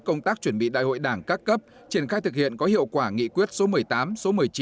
công tác chuẩn bị đại hội đảng các cấp triển khai thực hiện có hiệu quả nghị quyết số một mươi tám số một mươi chín